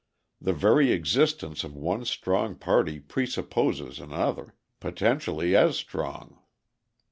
The very existence of one strong party presupposes another, potentially as strong.